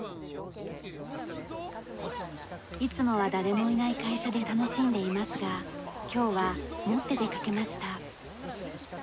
いつもは誰もいない会社で楽しんでいますが今日は持って出かけました。